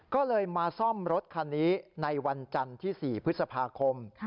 ก็เลยมาซ่อมรถคันนี้ในวันจันทร์ที่๔พฤษภาคม